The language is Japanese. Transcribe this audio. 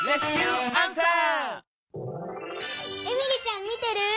エミリちゃん見てる？